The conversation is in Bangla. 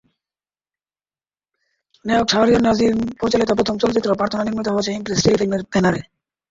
নায়ক শাহরিয়ার নাজিম পরিচালিত প্রথম চলচ্চিত্র প্রার্থনা নির্মিত হয়েছে ইমপ্রেস টেলিফিল্মের ব্যানারে।